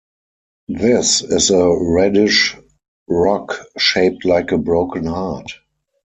This is a reddish rock shaped like a broken heart.